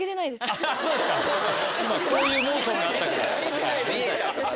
こういうモーションがあったから。